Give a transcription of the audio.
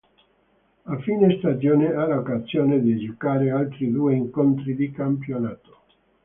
A fine stagione ha l'occasione di giocare altri due incontri di campionato.